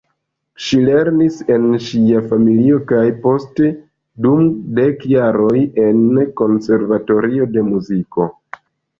Ŝi lernis en ŝia familio kaj poste dum dek jaroj en konservatorio de muziko.